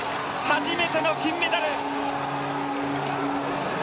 初めての金メダル！